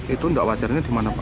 itu tidak wajar ini di mana pak